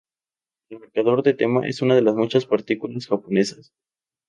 El marcador de tema es una de las muchas partículas japonesas.